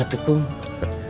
iya ternyata beneran kamu tuh kum